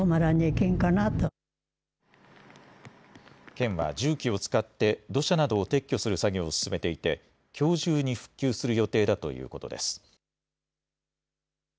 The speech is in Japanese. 県は重機を使って、土砂などを撤去する作業を進めていて、きょう中に復旧する予定だということです。